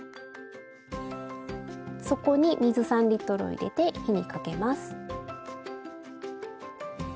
そこに水３を入れて火にかけます。